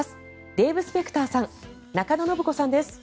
デーブ・スペクターさん中野信子さんです。